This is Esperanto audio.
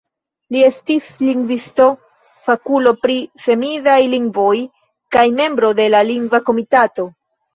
Li estis lingvisto, fakulo pri semidaj lingvoj kaj membro de la Lingva Komitato.